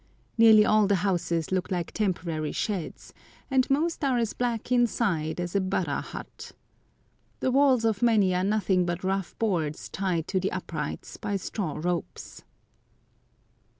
Nearly all the houses look like temporary sheds, and most are as black inside as a Barra hut. The walls of many are nothing but rough boards tied to the uprights by straw ropes.